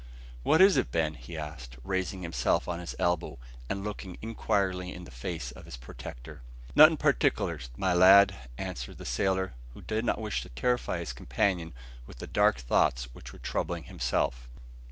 "What is it, Ben?" he asked, raising himself on his elbow, and looking inquiringly in the face of his protector. "Nothing partikler, my lad," answered the sailor, who did not wish to terrify his companion with the dark thoughts which were troubling himself.